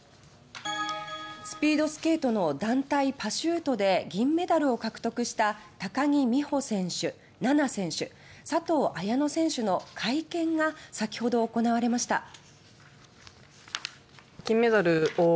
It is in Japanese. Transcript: スピードスケートの団体パシュートで銀メダルを獲得した高木美帆選手、菜那選手佐藤綾乃選手の会見が先ほど行われました。